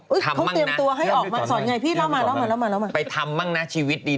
เหรอเขาเตรียมตัวให้ออกมาสอนไงพี่เล่ามาไปทำบ้างนะชีวิตดี